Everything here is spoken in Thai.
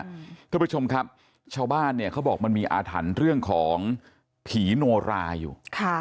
คุณผู้ชมครับชาวบ้านเนี่ยเขาบอกมันมีอาถรรพ์เรื่องของผีโนราอยู่